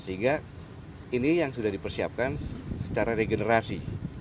sehingga ini yang sudah dipersiapkan secara regenerasi